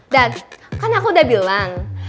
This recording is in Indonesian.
kan aku udah bilang